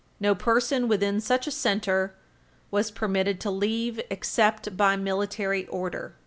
No person within such a center was permitted to leave except by Military Order.